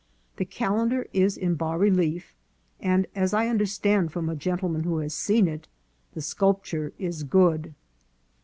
The calendar is in bas relief, and, as I understand from a gentleman who has seen it, the sculpture is good.